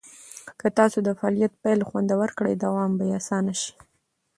که تاسو د فعالیت پیل خوندور کړئ، دوام به یې اسانه شي.